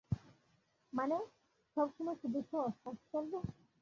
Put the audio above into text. মানে, সবসময় শুধু সহজ কাজ চলবে।